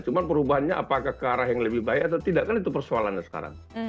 cuma perubahannya apakah ke arah yang lebih baik atau tidak kan itu persoalannya sekarang